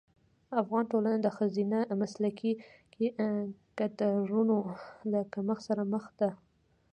افغان ټولنه د ښځینه مسلکي کدرونو له کمښت سره مخ ده.